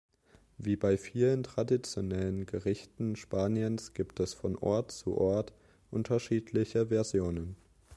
Wie bei vielen traditionellen Gerichten Spaniens gibt es von Ort zu Ort unterschiedliche Versionen.